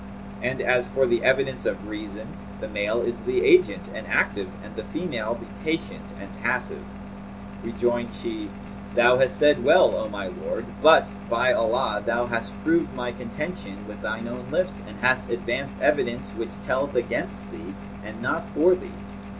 And as for the evidence of reason, the male is the agent and active and the female the patient and passive.'[FN#234] Rejoined she, 'Thou hast said well, O my lord, but, by Allah, thou hast proved my contention with thine own lips and hast advanced evidence which telleth against thee, and not for thee.